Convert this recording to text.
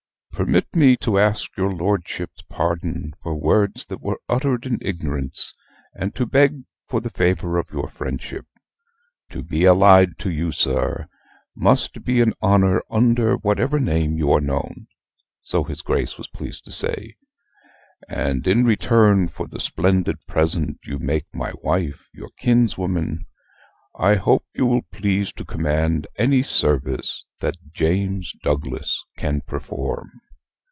"Permit me to ask your lordship's pardon for words that were uttered in ignorance; and to beg for the favor of your friendship. To be allied to you, sir, must be an honor under whatever name you are known" (so his Grace was pleased to say); "and in return for the splendid present you make my wife, your kinswoman, I hope you will please to command any service that James Douglas can perform.